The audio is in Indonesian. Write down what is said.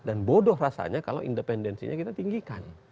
dan bodoh rasanya kalau independensinya kita tinggikan